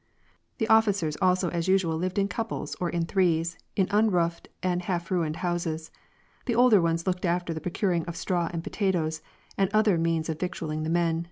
The officers also as usual lived in couples, or in threes, in unroofed and half ruined houses. The older ones looked after the procuring of straw and potatoes and other means of vic tualling the men.